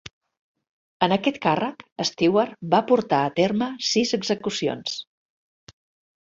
En aquest càrrec, Stewart va portar a terme sis execucions.